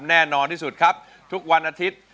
แน่นอนที่สุดครับทุกวันอาทิตย์